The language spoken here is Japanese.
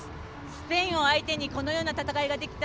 スペインを相手にこのような戦いができた。